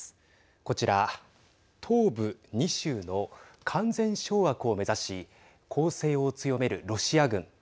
こちら、東部２州の完全掌握を目指し攻勢を強めるロシア軍。